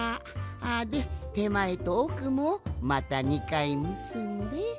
でてまえとおくもまた２かいむすんで。